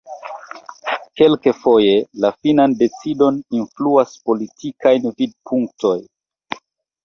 Kelkfoje la finan decidon influas politikaj vidpunktoj.